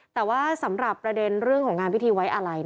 แต่ว่าสำหรับประเด็นเรื่องของงานพิธีไว้อะไร